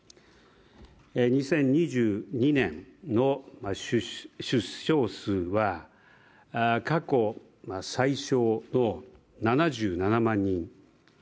２０２２年の出生数は過去最少の７７万人。